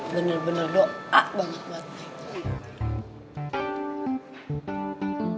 benar benar doa banget mengak